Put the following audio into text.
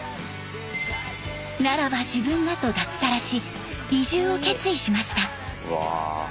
「ならば自分が」と脱サラし移住を決意しました。